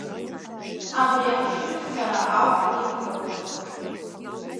Абри ахшыҩзцара ауп ирҳәо…